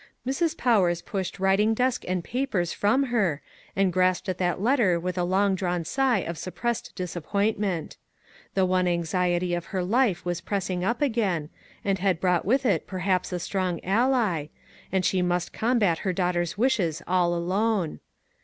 Mrs. Powers pushed writing desk and pa pers from her, and grasped at that letter with a long drawn sigh of suppressed dis appointment. The one anxiety of her life was pressing up again, and had brought with it perhaps a strong ally, and she must combat her daughter's wishes all alone.